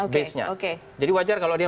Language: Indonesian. base nya jadi wajar kalau ada yang